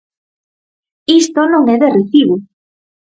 Isto non é de recibo.